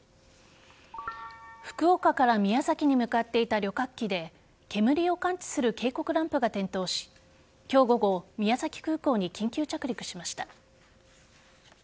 福岡から宮崎に向かっていた旅客機で煙を感知する警告ランプが点灯し今日午後宮崎空港に緊急着陸しました。